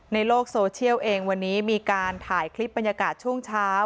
ในโลกโซเชียลเองวันนี้มีการถ่ายคลิปบรรยากาศช่วงเช้า